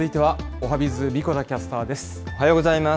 おはようございます。